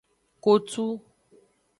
Kotu.